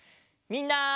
みんな。